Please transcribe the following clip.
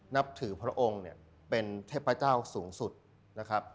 นับถือพระองค์เนี่ยเป็นเทพเจ้าสูงสุดนะครับ